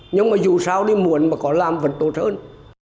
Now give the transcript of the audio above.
nhưng mà dù sao đi muốn mà có làm vẫn tốt hơn